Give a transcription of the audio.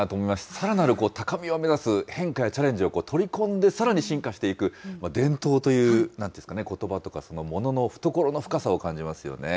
さらなる高みを目指す変化やチャレンジを取り込んで、さらに進化していく、伝統というなんていうんですかね、ことばとかそのものの懐の深さを感じますよね。